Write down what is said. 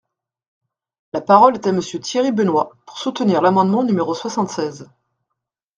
La parole est à Monsieur Thierry Benoit, pour soutenir l’amendement numéro soixante-seize.